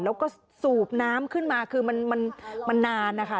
แล้วก็สูบน้ำขึ้นมาคือมันนานนะคะ